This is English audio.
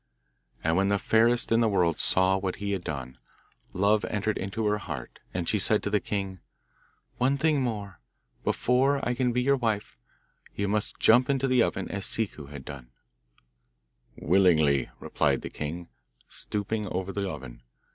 And when the fairest in the world saw what he had done, love entered into her heart, and she said to the king, 'One thing more: before I can be your wife, you must jump into the oven as Ciccu has done.' 'Willingly,' replied the king, stooping over the oven.